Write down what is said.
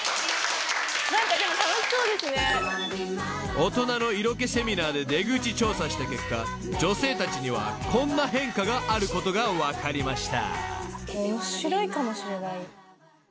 ［大人の色気セミナーで出口調査した結果女性たちにはこんな変化があることが分かりました］